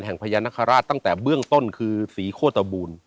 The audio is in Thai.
พญานาคาราชตั้งแต่เบื้องต้นคือศรีโคตบูล